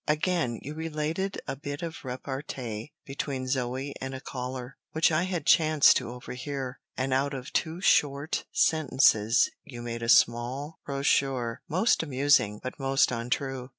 Again, you related a bit of repartee between Zoe and a caller, which I had chanced to over hear, and out of two short sentences you made a small brochure, most amusing, but most untrue.